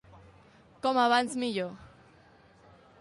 Com abans millor.